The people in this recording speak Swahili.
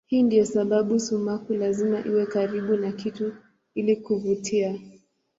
Hii ndiyo sababu sumaku lazima iwe karibu na kitu ili kuvutia.